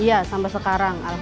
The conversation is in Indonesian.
iya sampai sekarang alhamdulillah